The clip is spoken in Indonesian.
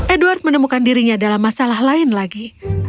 edward menemukan dirinya dalam masalah lain lagi